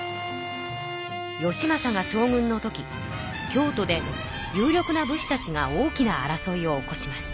義政が将軍のとき京都で有力な武士たちが大きな争いを起こします。